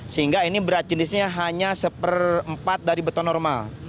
sehingga ini berat jenisnya hanya seperempat dari beton normal